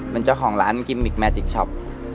มันเจ้าของร้านกิ้มมิกม์แมซิกชอป